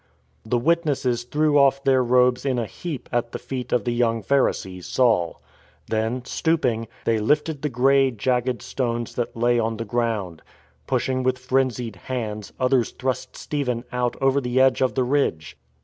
The witnesses threw off their robes in a heap at the feet of the young Pharisee, Saul. Then, stooping, they lifted the grey, jagged stones that lay on the ground. Pushing with frenzied hands, others thrust Stephen out over the edge of the ridge.